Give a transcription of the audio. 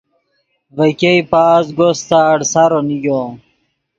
ڤے ګئے پازگو ستاڑ سارو نیگو۔